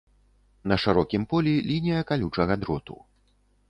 На шырокім полі лінія калючага дроту.